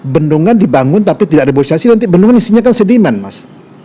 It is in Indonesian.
bendungan dibangun tapi tidak ada bau sasi nanti bendungan isinya kan sediman mas